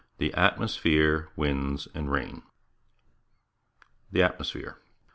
THE ATMOSPHERE, WINDS, AND RAIN The Atmosphere.